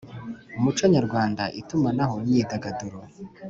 umuco nyarwanda, itumanaho, imyidagaduro